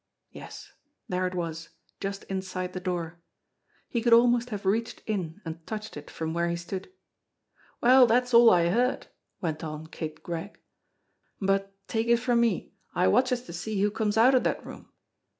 Yes, there it was just inside the door. He could almost have reached in and touched it from where he stood. "Well, dat's all I heard," went on Kid Gregg ; "but, take it from me, I watches to see who comes outer dat room.